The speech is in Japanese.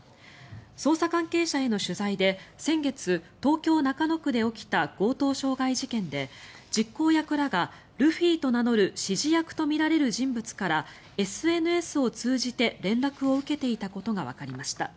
捜査関係者への取材で先月、東京・中野区で起きた強盗傷害事件で実行役らがルフィと名乗る指示役とみられる人物からＳＮＳを通じて連絡を受けていたことがわかりました。